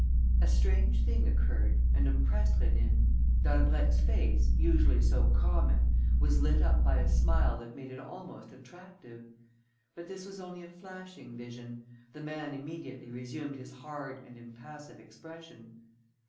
A strange thing occurred and impressed Rénine. Dalbrèque's face, usually so common, was lit up by a smile that made it almost attractive. But this was only a flashing vision: the man immediately resumed his hard and impassive expression.